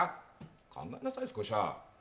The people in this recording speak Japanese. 考えなさい、少しは。